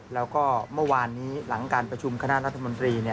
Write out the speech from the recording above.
แล้วก็เมื่อวานนี้หลังการประชุมคณะรัฐมนตรี